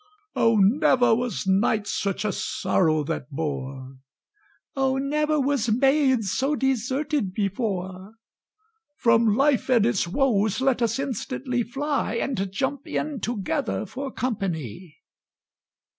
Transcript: "O, never was knight such a sorrow that bore!" "O never was maid so deserted before!" "From life and its woes let us instantly fly, And jump in together for company!"